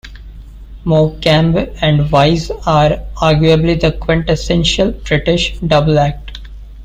Morecambe and Wise are arguably the quintessential British double act.